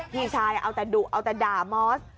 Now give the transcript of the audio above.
พี่ชายเอาแต่ดุเอาแต่ด่ามอส